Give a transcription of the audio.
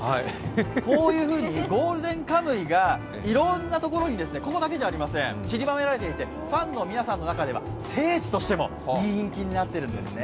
こういうふうに「ゴールデンカムイ」がいろんなところに、ここだけじゃありません、散りばめられていてファンの皆さんの中では、聖地としても人気になっているんですね。